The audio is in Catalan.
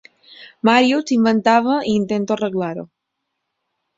Màrius s'inventava i intento arreglar-ho.